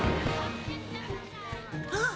あっ！